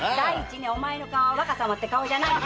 お前の顔は「若様」って顔じゃないんだよ。